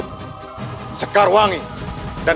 dan kurang lebih beli